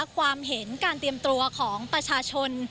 ความเห็นการเตรียมตัวของประชาชน